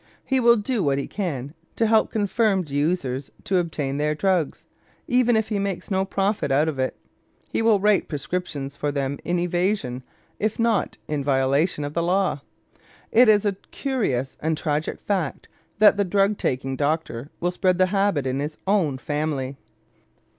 He will do what he can to help confirmed users to obtain their drugs, even if he makes no profit out of it. He will write prescriptions for them in evasion, if not in violation, of the law. It is a curious and tragic fact that the drug taking doctor will spread the habit in his own family.